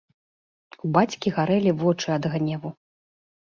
У бацькі гарэлі вочы ад гневу.